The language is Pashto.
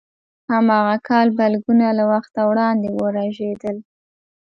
هماغه کال بلګونه له وخته وړاندې ورژېدل.